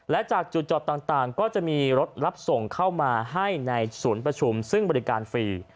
และจากจุดจอดต่างก็จะมีรถรับส่งเข้ามาให้ในศูนย์ประชุมซึ่งบริการฟรี